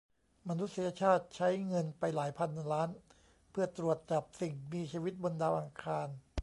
มนุษยชาติใช้เงินไปหลายพันล้านเพื่อตรวจจับสิ่งมีชีวิตบนดาวอังคาร